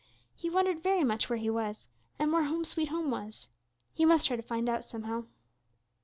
He wondered very much where she was, and where "Home, sweet Home," was. He must try to find out somehow.